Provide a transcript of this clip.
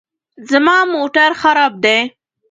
زما موټر خراب دی